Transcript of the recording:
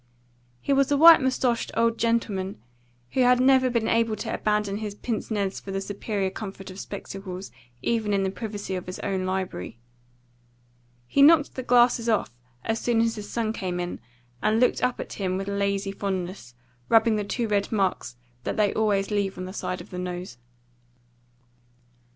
He was a white moustached old gentleman, who had never been able to abandon his pince nez for the superior comfort of spectacles, even in the privacy of his own library. He knocked the glasses off as his son came in and looked up at him with lazy fondness, rubbing the two red marks that they always leave on the side of the nose.